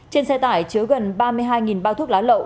trên xe tải chứa gần ba mươi hai bao thuốc lá lậu